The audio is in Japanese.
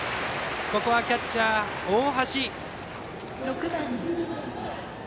ここはキャッチャー、大橋。